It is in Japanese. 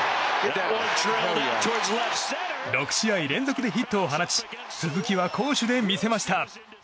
６試合連続でヒットを放ち鈴木は攻守で見せました。